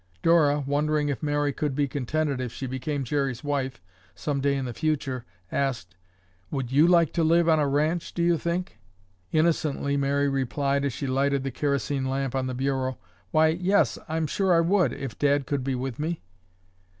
Dora, wondering if Mary could be contented if she became Jerry's wife, some day in the future, asked, "Would you like to live on a ranch, do you think?" Innocently, Mary replied as she lighted the kerosene lamp on the bureau, "Why, yes, I'm sure I would, if Dad could be with me."